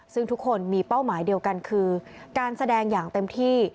ซึ่งทุกคนมีเป้าหมายเดียวกันคือการแสดงอย่างเต็มที่